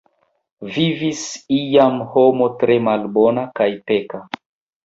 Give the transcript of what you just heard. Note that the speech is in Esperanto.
Vivis iam homo tre malbona kaj peka.